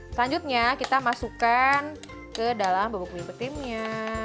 selanjutnya kita masukkan ke dalam bubuk whipped creamnya